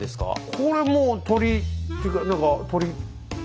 これもう鳥っていうか何か鳥鳥。